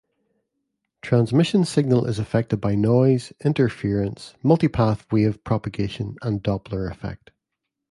Transmission signal is affected by noise, interference, multipath wave propagation and Doppler effect.